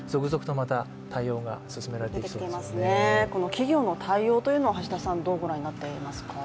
企業の対応というのを橋田さん、どうご覧になっていますか？